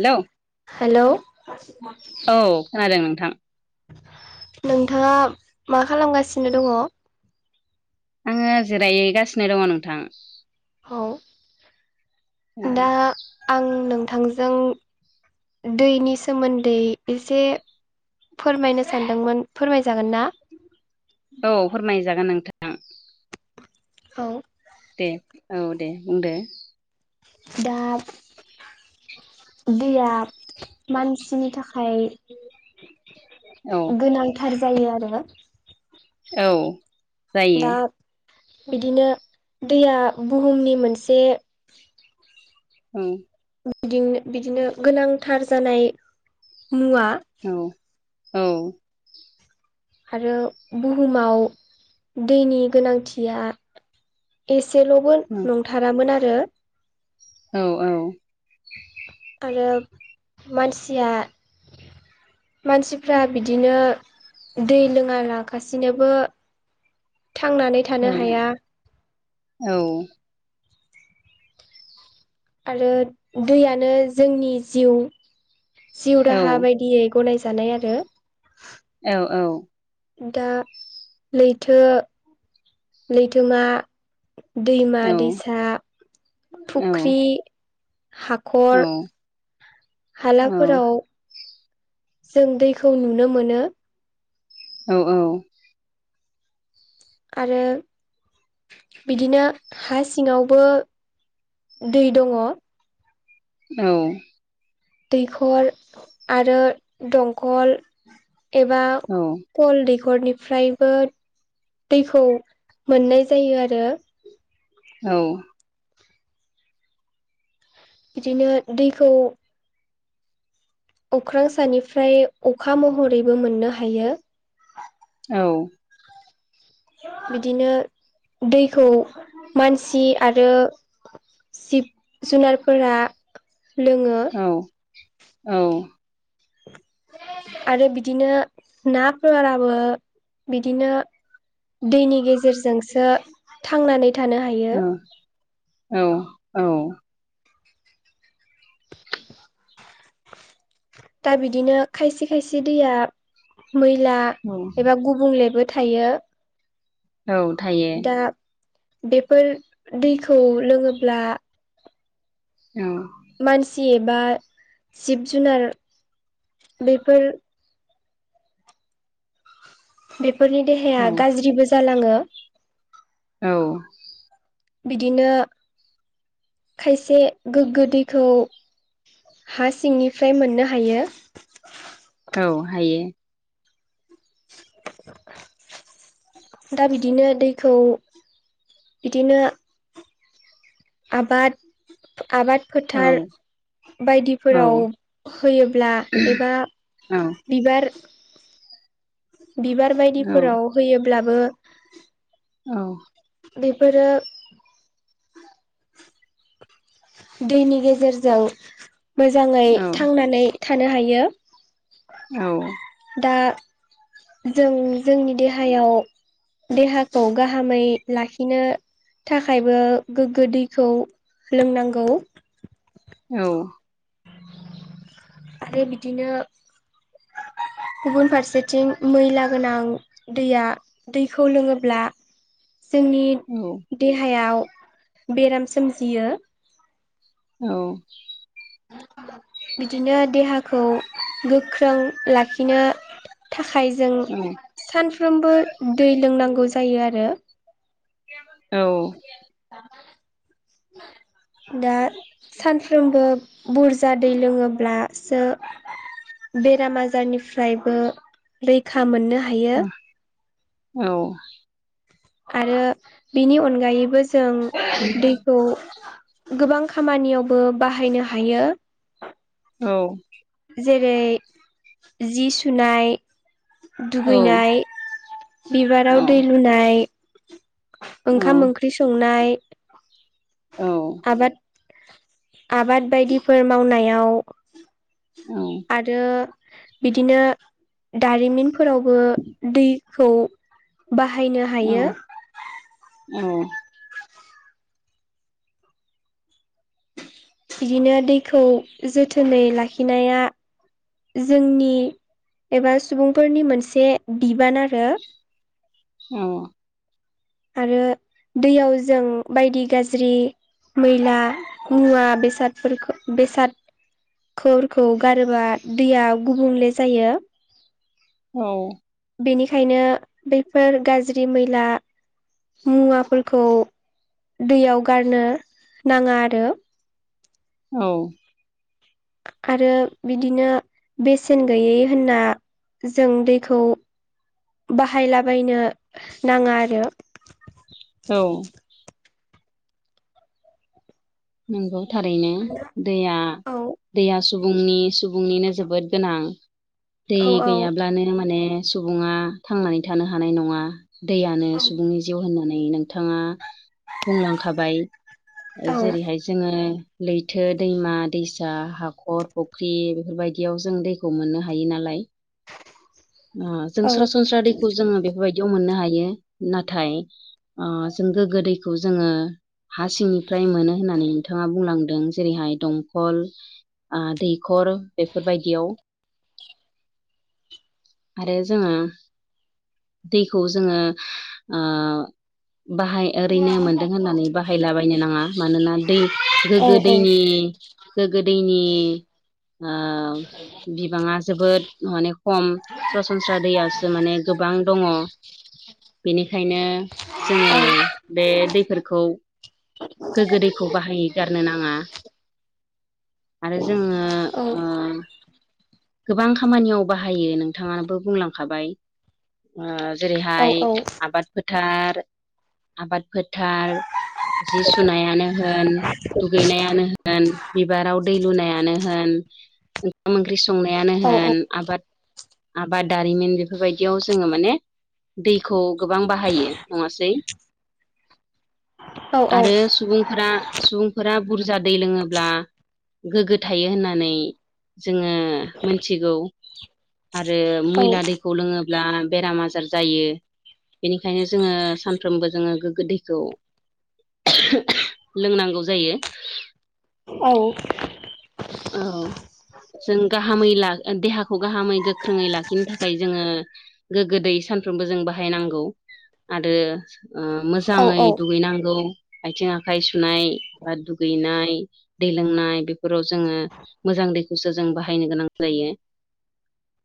Hello hello औ खोनादों नोंथां नोंथाङा मा खालामगासिनो दङ आङो जिरायहैगासिनो दङ नोंथां औ औ दा आं नोंथांजों दैनि सोमोन्दै एसे फोरमायनो सानदोंमोन फोरमायजागोन ना औ फोरमाय जागोन नोंथां औ दे औ दे बुंदो दाब दैया मानसिनि थाखाय औ गोनांथार जायो आरो औ जायो दा बिदिनो दैया बुहुमनि मोनसे उम बिदिनो बिदिनो गोनांथार जानाय मुवा औ औ आरो बुहुमाव दैनि गोनांथिया एसेल'बो औ नंथारामोन आरो औ औ आरो मानसिया मानसिफ्रा बिदिनो दै लोङा लागासिनोबो थांनानै थानो औ हाया औ आरो दैयानो जोंनि जिउ जिउ राहा औ औ बायदियै गनायजानाय आरो औ औ दा लैथो लैथोमा दैमा दैसा फुख्रि हाख - खर हालाफोराव जों दैखौ नुनो मोनो औ औ आरो बिदिनो हा सिङावबो दै दङ औ दैखर आरो दंखल एबा औ कल दैखरनिफ्रायबो दैखौ मोननाय जायो आरो औ बिदिनो दैखौ अख्रां सानिफ्राय अखा महरैबो मोननो हायो औ बिदिनो दैखौ मानसि आरो जिब जुनारफोरा लोङो औ औ आरो बिदिनो नाफोराबो बिदिनो दैनि गेजेरजोंसो थांनानै थानो हा औ औ औ दा बिदिनो खायसे खायसे दैया मैला औ एबा गुबुंलेबो थायो औ थायो दा बेफोर दैखौ लोङोब्ला औ मानसि एबा जिब जुनार बेफोर बेफोरनि देहाया औ गाज्रिबो जालाङो औ बिदिनो खायसे गोग्गो दैखौ हा सिंनिफ्राय मोननो हायो औ हायो दा बिदिनो दैखौ बिदिनो आबाद आबाद फोथार औ औ बायदिफोराव होयोब्ला एबा बिबार बिबार औ बायदिफोराव होयोब्लाबो औ बेफोरो दैनि गेजेरजों मोजाङै औ थांनानै थानो हायो। औ दा जों जोंनि देहायाव देहाखौ गाहामै लाखिनो थाखायबो गोग्गो दैखौ लोंनांगौ औ आरो बिदिनो गुबुन फारसेथिं मैला गोनां दैया दैखौ लोङोब्ला जोंनि औ। देहायाव बेराम सोमजियो। औ। बिदिनो देहाखौ गोख्रों लाखिनो थाखाय जों औ सानफ्रोमबो दै लोंनांगौ जायो आरो। औ दा सानफ्रोमबो बुरजा दै लोङोब्लासो बेराम आजारनिफ्रायबो रैखा मोननो हायो।। औ। आरो बेनि अनगायैबो जों दैखौ गोबां खामानियावबो बाहायनो हायो। औ जेरै जि सुनाय दुगैनाय बिबाराव दै लुनाय ओंखाम ओंख्रि संनाय औ आबाद आबाद बायदिफोर मावनायाव औ। आरो बिदिनो दारिमिनफोरावबो दैखौ बाहायनो हायो। औ औ बिदिनो दैखौ जोथोनै लाखिनाया जोंनि एबा सुबुंफोरनि मोनसे बिबान आरो। औ आरो दैयाव जों बायदि गाज्रि मैला मुवा बेसादफोरखौ बेसाद खखौ गारोबा दैया गुबुंले जायो। औ। बेनिखायनो बैफोर गाज्रि मैला मुवाफोरखौ दैयाव गारनो नाङा आरो। औ आरो बिदिनो बेसेन गैयै होनना जों दैखौ बाहायलाबायनो नाङा आरो। औ नंगौ थारैनो दैया औ दैया सुबुंनि सुबुंनिनो जोबोद गोनां दै औ औ गैयाब्लानो माने सुबुङा थांनानै थानो हानाय नङा दैयानो सुबुंनि जिउ होननानै नोंथाङा बुंलांखाबाय औ जेरैहाय जोङो लैथो दैमा दैसा हाखर फुख्रि बेफोरबायदियाव जों दैखौ मोननो हायो नालाय। ओ जों औ सरासनस्रा दैखौ जोङो बेफोरबायदि बियाव मोननो हायो नाथाय ओ जों गोग्गो दैखौ जोंङो हा सिंनिफ्राय मोनो होननानै नोंथाङा बुंलांदों जेरैहाय दंखल ओ दैखर बेफोरबायदियाव [inaudible] आरो जोंङो दैखौ जोङो ओ बाहाय ओरैनो मोनदों होननानै बाहायलाबायनो नांङा मानोना दै औ गोग्गो औ दैनि गोगो दैनि ओ बिबाङा जोबोद माने खम सरासनस्रा दैयावसो माने गोबां दङ बेनिखायनो औ जोंङो बे दैफोरखौ गोग्गो दैखौ बाहायै गारनो नाङा आरो जोंङो ओ गोबां खामानियाव बाहायो नोंथाङाबो बुंलांखाबाय ओ जेरैहाय आबाद फोथार आबाद फोथार जि सुनायानो होन दुगैनायानो होन, बिबाराव दै लुनायानो होन, ओंखाम ओंख्रि सं संनायानो होन, आबाद आबाद दारिमिन बेफोरबायदियाव जोङो माने दैखौ गोबां बाहायो, नङासै लांदां आरो सुबुंफोरा सुबुंफोरा बुरजा दै लोङोब्ला गोग्गो थायो होननानै जोङो मिथिगौ आरो मैला दैखौ लोङोब्ला बेराम आजार जायो। ् बेनिखायनो जोंङो सानफ्रोमबो जोंङो गोगो दैखौ लोंनांगौ जायो औ। औ। जों गाहामै ला देहाखौ गाहामै गोख्रोङै लाखिनो थाखाय जोङो गोग्गो दै सानफ्रोमबो जों बाहायनांगौ आरो ओ मोजाङै औ दुगैनांगौ आथिं आखाइ सुनाय बा दुगैनाय दै लोंनाय बेफोराव जोङो मोजां दैखौसो जों बाहायनो गोनां जायो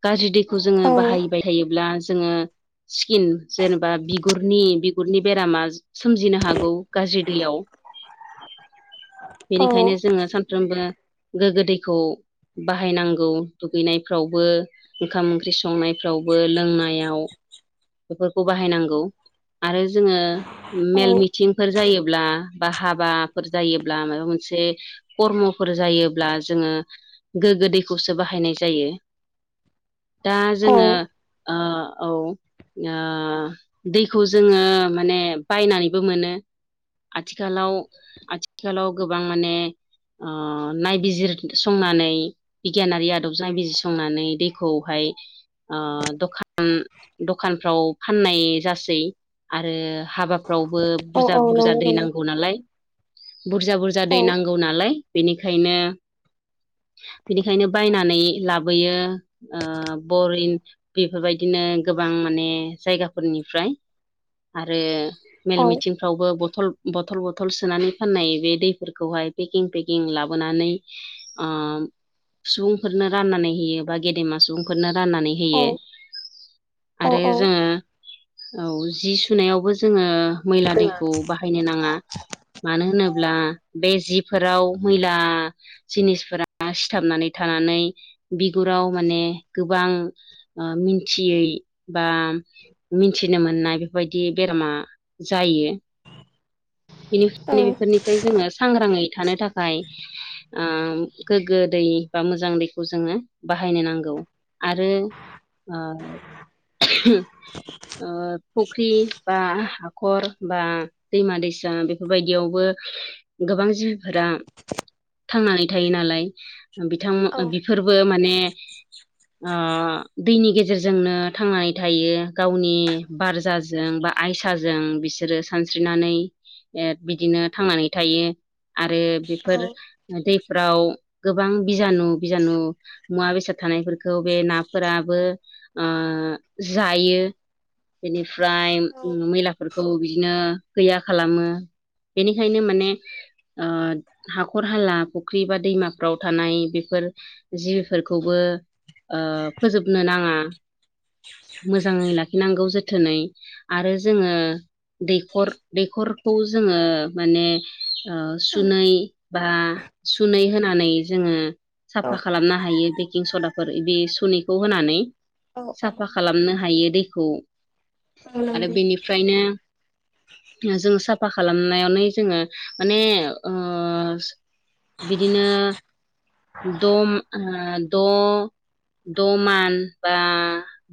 गाज्रि दैखौ जोङो बाहायबाय थायोब्ला जोङो स्किन जेनेबा बिगुरनि बिगुरनि बेरामा सोमजिनो हागौ गाज्रि दैयाव। बेनिखायनो जोङो सानफ्रोमबो गोग्गो दैखौ बाहायनांगौ दुगैनायफ्रावबो ओंखाम ओंख्रि संनायफ्रावबो, लोंनायाव बेफोरखौ बाहायनांगौ आरो जोङो मेल मिटिंफोर जायोब्ला बा हाबाफोर जायोब्ला माबा मोनसे खर्मफोर जायोब्ला जोङो गोग्गो दैखौसो बाहायनाय जायो दा जोङो ओ औ ओ दैखौ जोङो माने बायनानैबो मोनो आथिखालाव आथिखालाव गोबां माने ओ नायबिजिरसंनानै बिगियानारि आदबजों बिजि संनानै दैखौहाय ओ दखान दखानफ्राव फाननाय जासै आरो हाबाफ्रावबो बुरजा बुरजा दै नांगौ नालाय बुरजा बुरजा दै नांगौ नालाय बेनिखायनो बिनिखायनो बायनानै लाबोयो ओ बरिन बेफोरबायदिनो गोबां माने जायगाफोरनिफ्राय आरो मेल मिथिंफ्रावबो बथल-बथल बथल सोनानै फाननाय बे दैफोरखौहाय पेकिं पेकिं लाबोनानै ओ सुबुंफोरनो राननानै होयो बा गेदेमा सुबुंफोरनो राननानै होयो। आरो जोङो औ जि सुनायावबो जोङो मैला दैखौ बाह फायनो नाङा मानो होनोब्ला बे जिफोराव मैला जिनिसफोरा सिथाबनानै थानानै बिगुराव माने गोबां ओ मिन्थियै बा मिथिनो मोननाय बेफोरबायदि बेरामा जायो नि फोरनिफ्राय जोङो सांग्राङै थानो थाखाय ओ गोग्गो दै बा मोजां दैखौ जोङो बाहायनो नांगौ। आरो ओ ओ फुख्रि बा हाखर बा दैमा दैसा बे बायदियावबो गोबां जिबफोरा थांनानै थायो नालाय, बिथांमो- बिफोरबो माने ओ दैनि गेजेरजोंनो थांनानै थायो गावनि बारजाजों बा आयसाजों बिसोरो सानस्रिनानै ए बिदिनो थांनानै थायो आरो बेफोर दैफ्राव गोबां बिजानु-बिजानु मुवा बेसाद थानायफोरखौ बे नाफोराबो ओ जायो। बेनिफ्राय मैलाफोरखौ बिदिनो गैया खालामो। बेनिखायनो माने ओ हाखर हाला फुख्रि बा दैमाफ्राव थानाय बेफोर जिबिफोरखौबो ओ फोजोबनो नाङा। मोजाङै लाखिनांगौ जोथोनै। आरो जोङो दैखर दैखर। खौ जोङो माने ओ सुनै बा सुनै होनानै जोङो साफा खालामनो हायो बेकिं सदाफोर बे सुनैखौ होनानै। साफा खालामनो हायो दैखौ। आरो बेनिफ्रायनो जों साफ फा खालामनायावनो जोङो माने ओ बिदिनो दम ओ द' दमान बा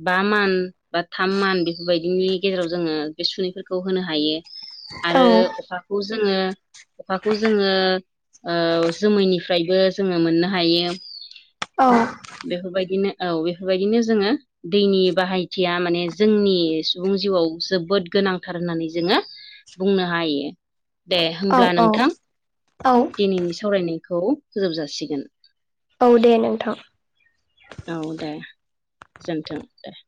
बा मान बा थाम मान बेफोरबायदिनि गेजेराव जोङो बे सुनैफोरखौ होनो हायो। आरो अखाखौ जोङो अखाखौ जोङो ओ जोमैनिफ्रायबो जोङो मोननो हायो। औ। बेफोरबायदिनो औ बेफोरबायदिनो जोङो दैनि बाहायथिया माने जोंनि सुबुं जिउआव जोबोद गोनांथार होननानै जोङो बुंनो हायो दे होमब्ला नोंथां दिनैनि सावरायनायखौ फोजोब जासिगोन। औ दे नोंथां। औ दे गोजोनथों दे।